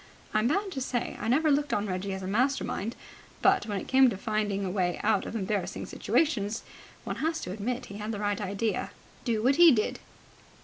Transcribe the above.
I'm bound to say I never looked on Reggie as a master mind, but, when it came to find a way out of embarrassing situations, one has to admit he had the right idea. Do what he did!"